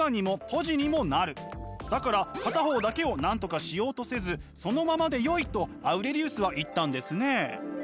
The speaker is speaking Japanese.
だから片方だけをなんとかしようとせずそのままでよいとアウレリウスは言ったんですね。